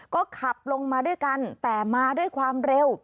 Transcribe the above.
ก็ขับลงมาด้วยกันแต่มาด้วยความเร็ว